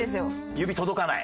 指届かない？